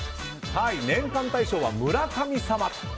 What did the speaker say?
年間大賞は、村神様。